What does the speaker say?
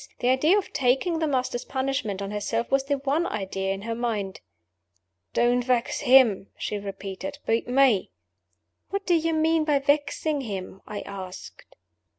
The idea of taking the Master's punishment on herself was the one idea in her mind. "Don't vex him," she repeated. "Beat me." "What do you mean by 'vexing him'?" I asked.